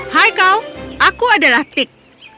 hai kau aku adalah tik